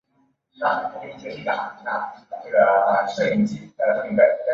目前最新中译版是高等教育出版社第八版。